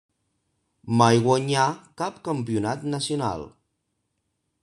Mai guanyà cap campionat nacional.